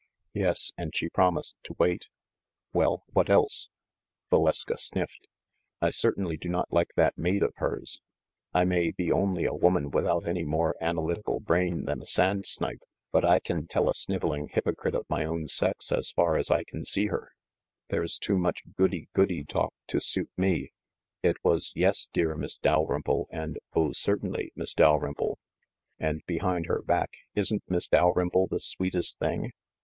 "Yes, and she promised to wait." "Well, what else?" Valeska sniffed. "I certainly do not like that maid of hers. I may be only a woman without any more analytical brain than a sand snipe, but I can tell a sniveling hypocrite of my own sex as far as I can see MISS DALRYMPLE'S LOCKET 157 her. There's too much goody goody talk to suit me. It was 'Yes, dear Miss Dalrymple,' and 'Oh, certainly, Miss Dalrymple/ and, behind her back, 'Isn't Miss Dalrymple the sweetest thing!'